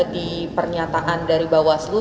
tapi dipernyataan dari bawaslu